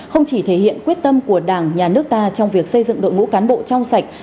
không chỉ thể hiện quyết tâm của đảng nhà nước ta trong việc xây dựng đội ngũ cán bộ trong sạch